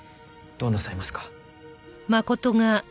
どうなさいますか？